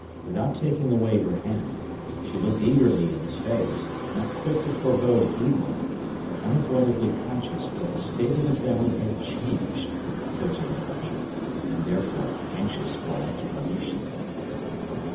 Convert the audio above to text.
Without taking away her hand, she looked eagerly in his face, not quick to forebode evil, but unavoidably conscious that the state of the family had changed since her departure, and therefore anxious for an explanation.